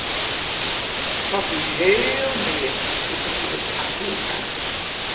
De kat wie heel meager doe't er yn it asyl kaam.